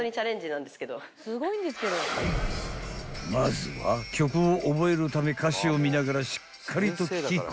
［まずは曲を覚えるため歌詞を見ながらしっかりと聴き込む］